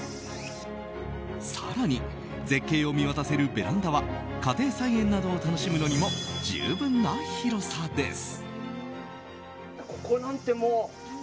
更に絶景を見渡せるベランダは家庭菜園などを楽しむのにも十分な広さです。